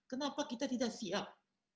kenapa kita tidak siap